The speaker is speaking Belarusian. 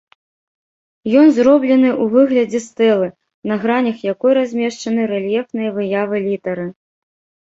Ён зроблены ў выглядзе стэлы, на гранях якой размешчаны рэльефныя выявы літары.